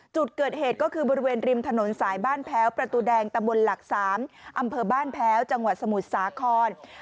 จุดเกิดเหตุก็คือบริเวณริมถนนสายบ้านแพ้วประตูแดงตำบลหลัก๓อำเภอบ้านแพ้วจังหวัดสมุทรสาคร